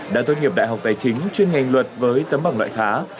đã tốt nghiệp đại học tài chính chuyên ngành luật với tấm bằng loại khá